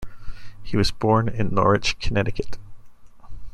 He was born in Norwich, Connecticut.